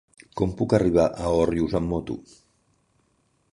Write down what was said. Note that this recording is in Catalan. Com puc arribar a Òrrius amb moto?